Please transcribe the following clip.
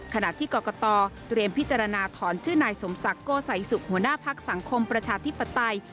ขณะที่กรกตเตรียมพิจารณาถอนชื่อนายสมศักดิ์โกสัยสุขหัวหน้าพักสังคมประชาธิปไตย